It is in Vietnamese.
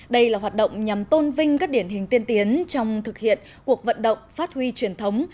đây là hoạt động nhằm tôn vinh các điển hình tiên tiến trong thực hiện cuộc vận động phát huy truyền thống